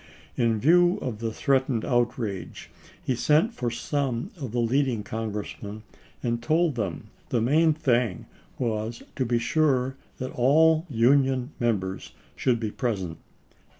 In view of the threat ened outrage he sent for some of the leading Congressmen and told them the main thing was to be sure that all the Union Members should be present.